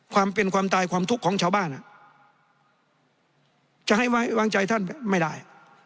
ความเป็นความตายความทุกข์ของชาวบ้านจะให้ไว้วางใจท่านไม่ได้